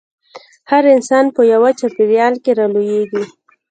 هر انسان په يوه چاپېريال کې رالويېږي.